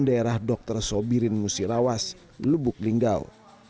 daerah dr sobirin musirawas lubuk linggau